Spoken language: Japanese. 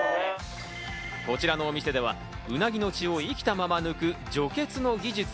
こちらのお店ではうなぎの血を生きたまま抜く